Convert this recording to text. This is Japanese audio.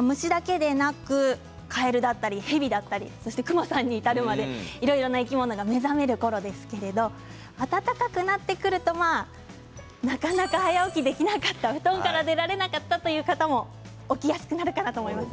虫だけでなくかえるだったり蛇だったり熊さんに至るまでいろいろな生き物が目覚めるころですけれども暖かくなってくるとなかなか早起きできなかったお布団から出られなかったという方も起きやすくなるかなと思います。